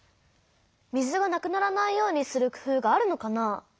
水がなくならないようにするくふうがあるのかな？